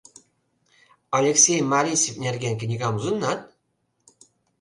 Алексей Маресьев нерген книгам лудынат?